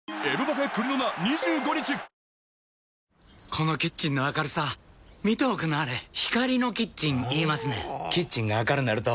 このキッチンの明るさ見ておくんなはれ光のキッチン言いますねんほぉキッチンが明るなると・・・